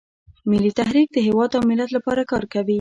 ملي تحریک د هیواد او ملت لپاره کار کوي